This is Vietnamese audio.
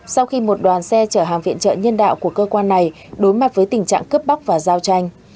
sau khi một đoàn xe chở hàng viện trợ nhân đạo của cơ quan này đối mặt với tình trạng cướp bóc và giao tranh